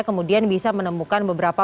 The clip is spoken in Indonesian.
kemudian bisa menemukan beberapa